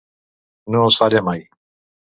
No els falla mai.